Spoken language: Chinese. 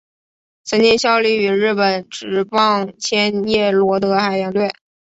曾经效力于日本职棒千叶罗德海洋队。